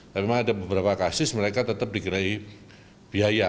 tapi memang ada beberapa kasus mereka tetap dikenai biaya